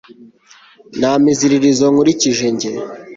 nta miziririzo nkurikije njye